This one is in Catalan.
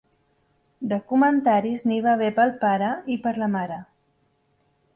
De comentaris, n'hi va haver pel pare i per la mare.